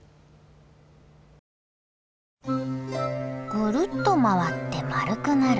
ぐるっと回って丸くなる。